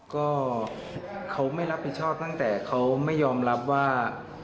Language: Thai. ก็เขาไม่รับผิดชอบตั้งแต่เขาไม่ยอมรับว่า